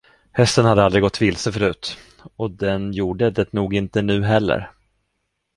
Hästen hade aldrig gått vilse förut, och den gjorde det nog inte nu heller.